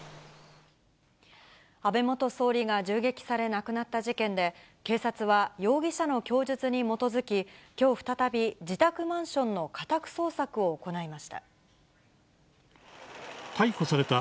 安倍元総理が銃撃され亡くなった事件で、警察は、容疑者の供述に基づき、きょう再び、自宅マンションの家宅捜索を行いました。